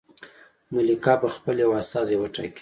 ملکه به خپل یو استازی وټاکي.